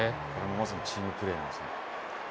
まさにチームプレーですね。